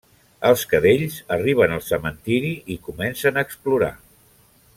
Els cadells arriben al cementiri i comencen a explorar.